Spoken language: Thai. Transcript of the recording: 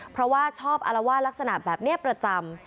เพราะว่าชอบอารวาสลักษณะแบบนี้ประจำ